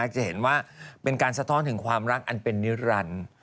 จะเห็นว่าเป็นการสะท้อนถึงความรักอันเป็นนิรันดิ์